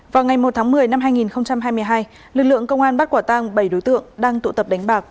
vào ngày một tháng một mươi năm hai nghìn hai mươi hai lực lượng công an bắt quả tăng bảy đối tượng đang tụ tập đánh bạc